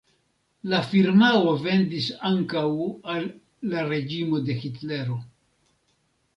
La firmao vendis ankaŭ al la reĝimo de Hitlero.